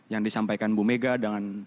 yang disampaikan bu mega dengan